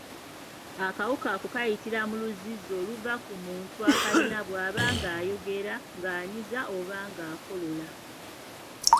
Akawuka ako kayitira mu luzzizzi oluva ku muntu akalina bw’aba ng’ayogera, ng’anyiza oba ng’akolola.